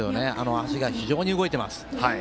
足が非常に動いています。